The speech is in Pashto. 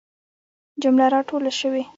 جمله را ټوله سوي.